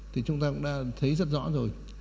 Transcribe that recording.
thì chúng ta cũng đã thấy rất rõ rồi